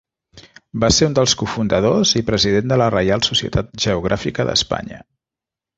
Va ser un dels cofundadors i president de la Reial Societat Geogràfica d'Espanya.